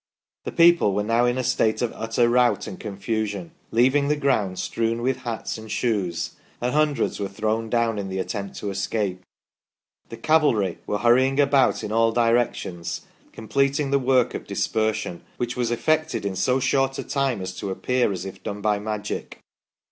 The people were now in a state of utter rout and confusion, leaving the ground strewn with hats and shoes, and hun dreds were thrown down in the attempt to escape. The cavalry were hurrying about in all directions completing the work of dispersion, which was effected in so short a time as to appear as if done by magic.